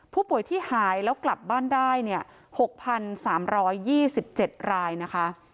ผู้ป่วยที่หายแล้วกลับบ้านได้เนี้ยหกพันสามร้อยยี่สิบเจ็ดรายนะคะ